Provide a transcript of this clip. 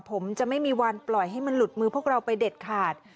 ผมจะไม่มีวันปล่อยให้มันหลุดมือพวกเราไปเด็ดขาด